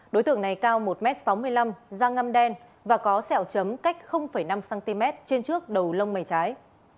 đối tượng này cao một m sáu mươi năm da ngâm đen và có sẹo chấm cách năm cm trên trước đầu lông mầy trái